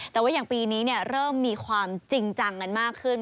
แต่ว่าอย่างปีนี้เริ่มมีความจริงจังกันมากขึ้น